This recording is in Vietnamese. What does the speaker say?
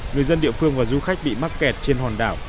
người dân địa phương và du khách bị mắc kẹt trên hòn đảo